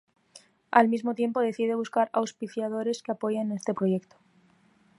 Al mismo tiempo, decide buscar auspiciadores que apoyen este proyecto.